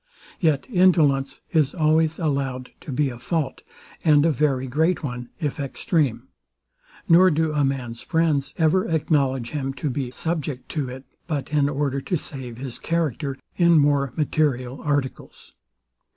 Yet indolence is always allowed to be a fault, and a very great one, if extreme: Nor do a man's friends ever acknowledge him to be subject to it, but in order to save his character in more material articles.